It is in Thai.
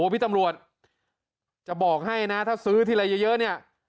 พี่ตำรวจจะบอกให้นะถ้าซื้อทีละเยอะเนี่ย